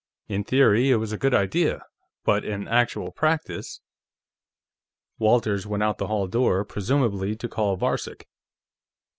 In theory, it was a good idea, but in actual practice ..." Walters went out the hall door, presumably to call Varcek.